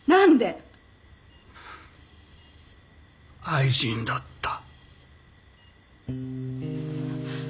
愛人だった。